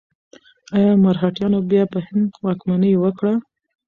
ایا مرهټیانو بیا په هند واکمني وکړه؟